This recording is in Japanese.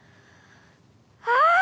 ああ！